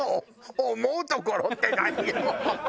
思うところって何よ！